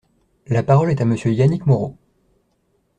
La parole est à Monsieur Yannick Moreau.